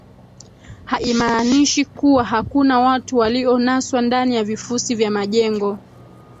haimaanishi kuwa hakuna watu walionaswa ndani ya vifusi vya majengo